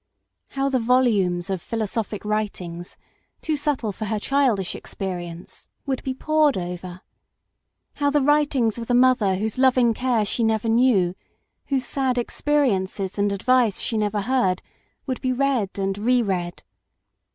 How the volumes of philosophic writings, too subtle for her childish experience, would be 1 2 MRS. SHELLEY. pored over; how the writings of the mother whose loving care she never knew, whose sad experiences and advice she never heard, would be read and re read.